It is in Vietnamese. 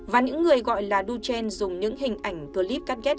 và những người gọi là đu trend dùng những hình ảnh clip cắt ghép